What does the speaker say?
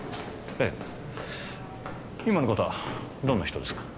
ええ今の方どんな人ですか？